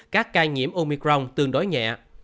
các ca nhiễm omicron tương đối nhẹ